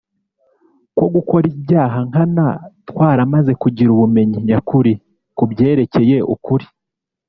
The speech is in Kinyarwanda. ko gukora ibyaha nkanam twaramaze kugira ubumenyi nyakuri ku byerekeye ukuri